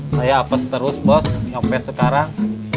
saya apes terus bos sampai sekarang